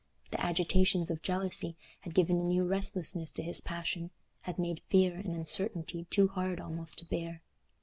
The agitations of jealousy had given a new restlessness to his passion—had made fear and uncertainty too hard almost to bear.